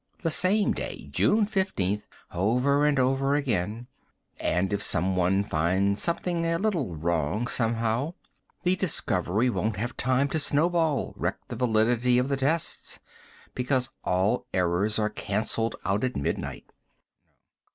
The same day June 15th over and over again; and if someone finds something a little wrong, somehow, the discovery won't have time to snowball, wreck the validity of the tests, because all errors are canceled out at midnight."